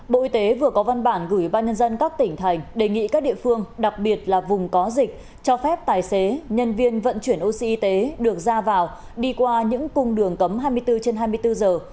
bộ y tế vừa có văn bản gửi ban nhân dân các tỉnh thành đề nghị các địa phương đặc biệt là vùng có dịch cho phép tài xế nhân viên vận chuyển oxy y tế được ra vào đi qua những cung đường cấm hai mươi bốn trên hai mươi bốn giờ